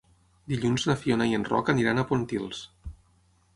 Dilluns na Fiona i en Roc aniran a Pontils.